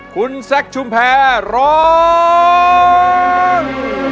คุณแซคชุมแพรร้อง